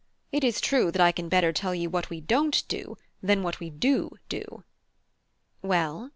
It is true that I can better tell you what we don't do, than what we do do." "Well?"